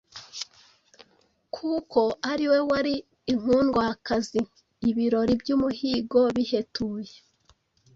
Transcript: kuko ari we wari inkundwakazi. Ibirori by’umuhigo bihetuye,